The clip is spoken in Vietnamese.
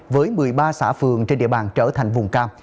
với một mươi ba xã phường trên địa bàn trở thành vùng cam